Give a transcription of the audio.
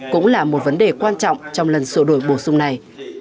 cũng là một vấn đề quan trọng trong lần sổ đổi bổ sung này